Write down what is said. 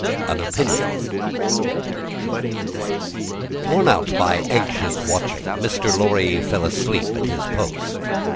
An Opinion Worn out by anxious watching, Mr. Lorry fell asleep at his post.